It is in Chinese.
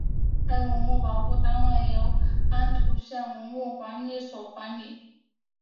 该文物保护单位由安图县文物管理所管理。